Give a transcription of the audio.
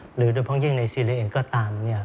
โดยเฉพาะยิ่งในซีเรียเองก็ตาม